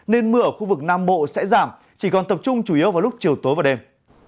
nên mưa ở khu vực nam bộ sẽ giảm chỉ còn tập trung chủ yếu vào lúc chiều tối và đêm